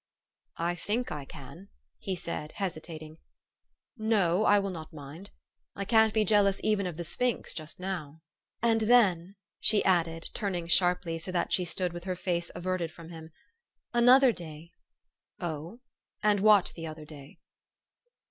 " "I think I can," he said, hesitating. "No, I will not mind. I can't be jealous even of the sphinx just now." "And then," she added, turning sharply, so that she stood with her face averted from him, " another day," " Oh ! and what the other day